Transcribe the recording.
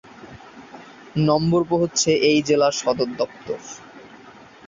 নম্বরপো হচ্ছে এই জেলার সদরদপ্তর।